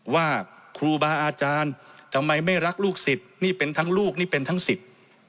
ว่าครูบาอาจารย์ทำไมไม่รักลูกศิษย์นี่เป็นทั้งลูกนี่เป็นทั้งสิทธิ์